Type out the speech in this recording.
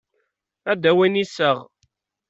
Ad d-awin iseɣ.